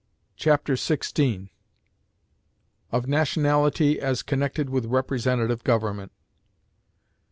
Chapter XVI Of Nationality, as connected with Representative Government.